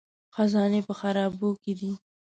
خزانې په خرابو کې دي